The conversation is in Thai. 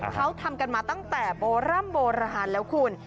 เขาทำกันมาตั้งแต่โบร่ำโบราณแล้วคุณ